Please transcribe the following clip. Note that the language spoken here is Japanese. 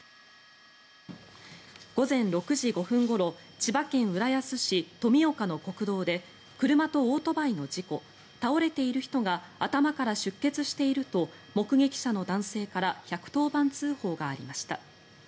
午前６時５分ごろ千葉県浦安市富岡の国道で車とオートバイの事故倒れている人が頭から出血していると目撃者の男性から１１０番通報がありました。